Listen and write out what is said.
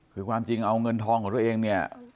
คือความจริงเอาเงินทองของตัวเองเนี่ย